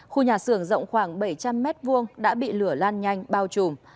khu nhà xưởng rộng khoảng bảy trăm linh m hai đã bị lửa lan nhanh bao trùm